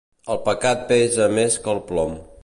El pecat pesa més que el plom.